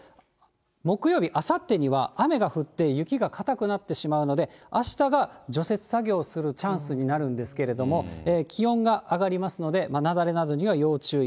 木曜日、あさってには雨が降って、雪が固くなってしまうので、あしたが除雪作業をするチャンスになるんですけれども、気温が上がりますので、雪崩などには要注意。